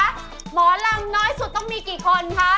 หมอลำน้อยสุดต้องมีกี่คนคะ